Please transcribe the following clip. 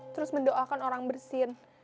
terus mendoakan orang bersin